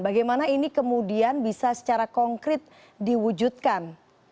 bagaimana ini kemudian bisa secara konkret diwujudkan